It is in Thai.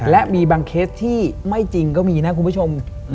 และมีบางเคสที่ไม่จริงก็มีนะคุณผู้ชม